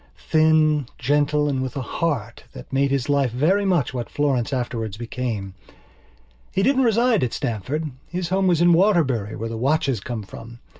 Thin, gentle, and with a "heart" that made his life very much what Florence's afterwards became. He didn't reside at Stamford; his home was in Waterbury where the watches come from.